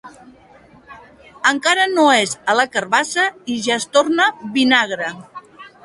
Encara no és a la carabassa i ja es torna vinagre.